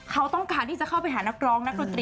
เขาต้องการที่จะเข้าไปหนักร้อง